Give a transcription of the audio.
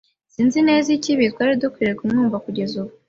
Sinzi neza ikibi. Twari dukwiye kumwumva kugeza ubu.